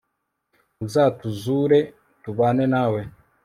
uzatuzure tubane nawe